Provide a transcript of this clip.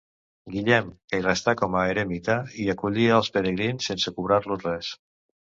Guillem, que hi restà com a eremita, hi acollia els pelegrins sense cobrar-los res.